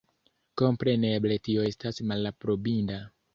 Kompreneble tio estas malaprobinda.